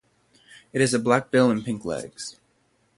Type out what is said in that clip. It has a black bill and pink legs.